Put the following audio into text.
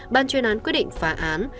ban chuyên án quyết định phá án